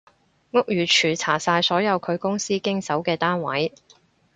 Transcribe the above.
屋宇署查晒所有佢公司經手嘅單位